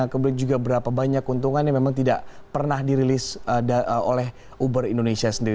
kemudian juga berapa banyak keuntungan yang memang tidak pernah dirilis oleh uber indonesia sendiri